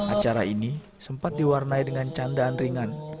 acara ini sempat diwarnai dengan candaan ringan